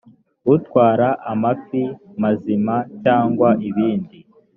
utwara amafi mazima cyangwa ibindi